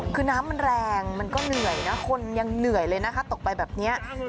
คือน้ำมันแรงมันก็เหนื่อย